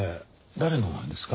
誰の絵ですか？